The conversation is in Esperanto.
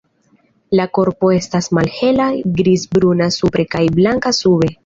La korpo estas malhela grizbruna supre kaj blanka sube.